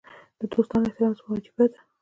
د دوستانو احترام زما وجیبه ده.